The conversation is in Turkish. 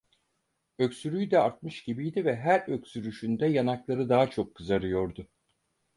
Öksürüğü de artmış gibiydi ve her öksürüşünde yanakları daha çok kızarıyordu.